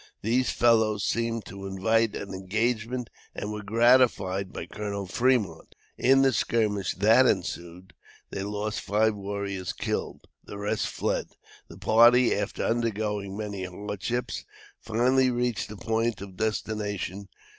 These fellows seemed to invite an engagement, and were gratified by Col. Fremont. In the skirmish that ensued, they lost five warriors killed. The rest fled. The party, after undergoing many hardships, finally reached their point of destination.